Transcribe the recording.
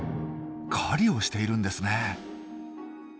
狩りをしているんですね。